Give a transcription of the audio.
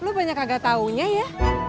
lu banyak agak taunya ya